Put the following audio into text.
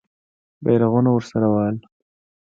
بیرغونه ورسره وهل.